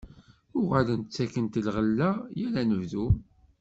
Uɣalent ttakent-d lɣella yal anebdu.